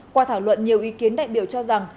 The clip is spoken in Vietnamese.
qua thảo luận nhiều ý kiến đại biểu cho rằng